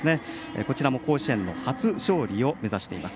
こちらも甲子園の初勝利を目指しています。